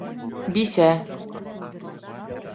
Бисә!